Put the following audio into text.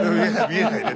見えないね。